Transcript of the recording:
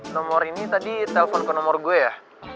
nomor ini tadi telpon ke nomor gue ya